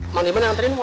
mang diman anterin ma